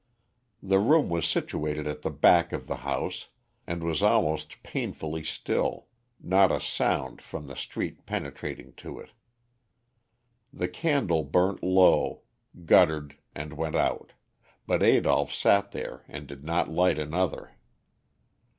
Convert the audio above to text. The room was situated at the back of the house, and was almost painfully still, not a sound from the street penetrating to it. The candle burnt low, guttered and went out, but Adolph sat there and did not light another.